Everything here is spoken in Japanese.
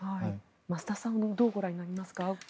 増田さんはどうご覧になりますか？